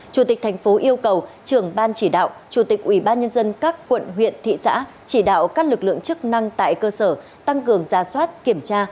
chủ tịch thành phố yêu cầu trưởng ban chỉ đạo chủ tịch ủy ban nhân dân các quận huyện thị xã chỉ đạo các lực lượng chức năng tại cơ sở tăng cường gia soát kiểm tra